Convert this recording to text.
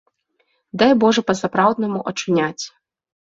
Дай божа па-сапраўднаму ачуняць.